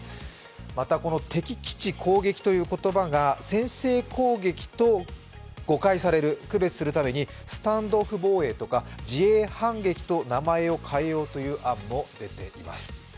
またこの敵基地攻撃という言葉が先制攻撃と誤解される、区別するために、スタンドオフ防衛とか自衛反撃と名前を変えようという案も出ています。